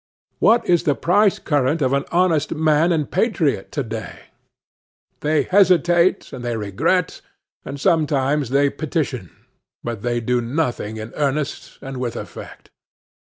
What is the price current of an honest man and patriot today? They hesitate, and they regret, and sometimes they petition; but they do nothing in earnest and with effect.